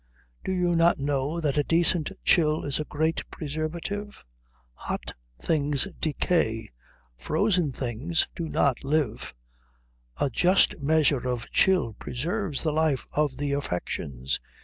Do you not know that a decent chill is a great preservative? Hot things decay. Frozen things do not live. A just measure of chill preserves the life of the affections.